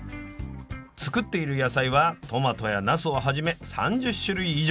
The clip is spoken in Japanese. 作っている野菜はトマトやナスをはじめ３０種類以上。